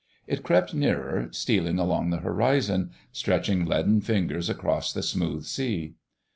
It crept nearer, stealing along the horizon, stretching leaden fingers across the smooth sea.